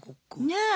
ねえ！